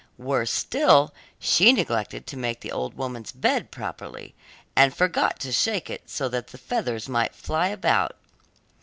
Worse still, she neglected to make the old woman's bed properly, and forgot to shake it so that the feathers might fly about.